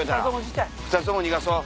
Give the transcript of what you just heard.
２つとも逃がそう。